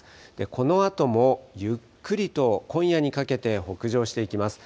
このあともゆっくりと今夜にかけて北上していきます。